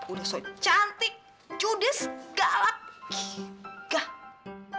udah sok cantik judes galak gigah